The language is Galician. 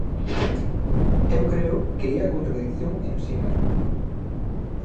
Eu creo que é a contradición en si mesma.